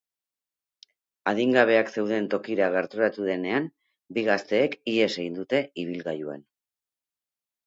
Adingabeak zeuden tokira gerturatu denean, bi gazteek ihes egin dute, ibilgailuan.